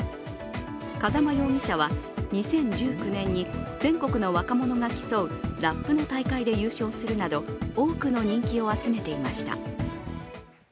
風間容疑者は２０１９年に全国の若者が競うラップの大会で優勝するなど多くの人気を集めていました。